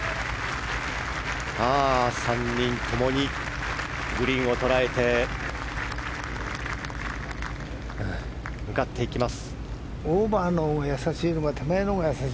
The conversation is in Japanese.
３人ともにグリーンをとらえて向かっていきます。